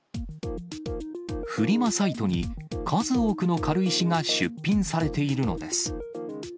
フリマサイトに数多くの軽石が出品されているのです。